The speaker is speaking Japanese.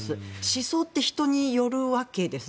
思想って人によるわけです